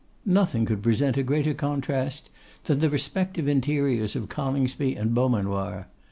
Nothing could present a greater contrast than the respective interiors of Coningsby and Beaumanoir.